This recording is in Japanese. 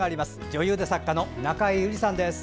女優で作家の中江有里さんです。